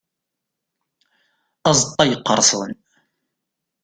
Azeṭṭa yeqqerṣen.